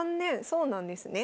そうなんですね。